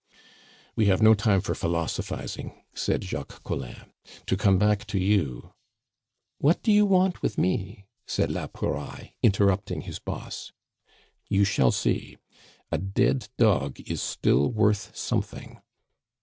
"We have no time for philosophizing," said Jacques Collin. "To come back to you " "What do you want with me?" said la Pouraille, interrupting his boss. "You shall see. A dead dog is still worth something."